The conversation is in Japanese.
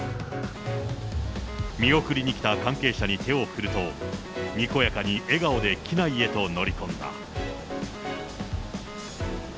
見送りに来た関係者に手を振ると、にこやかに笑顔で機内へと乗り込んだ。